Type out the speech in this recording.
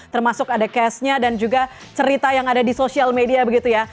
termasuk ada cashnya dan juga cerita yang ada di sosial media begitu ya